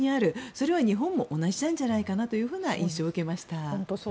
それは日本も同じなのではという印象を受けました。